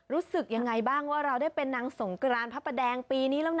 รู้สึกยังไงบ้างว่าเราได้เป็นนางสงกรานพระประแดงปีนี้แล้วนะ